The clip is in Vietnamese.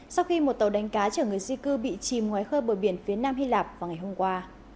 sau khi một tàu đánh cá chở người di cư bị chìm ngoài khơi bờ biển phía nam hy lạp vào ngày hôm qua